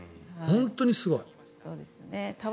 本当にすごい。